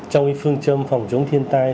trong phương châm phòng chống thiên tai